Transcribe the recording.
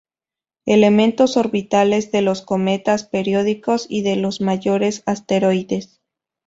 Elementos orbitales de los cometas periódicos y de los mayores asteroides.